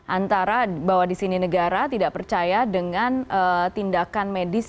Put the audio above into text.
antara bahwa di sini negara tidak percaya dengan tindakan medis